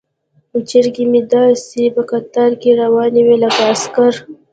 چرګې مې داسې په قطار کې روانې وي لکه عسکر.